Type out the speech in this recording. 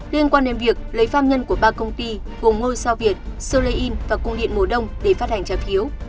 liên quan đến việc lấy pham nhân của ba công ty gồm ngôi sao việt sơ lê yên và cung điện mùa đông để phát hành trái phiếu